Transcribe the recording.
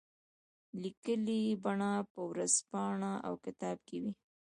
لیکلي بڼه په ورځپاڼه او کتاب کې وي.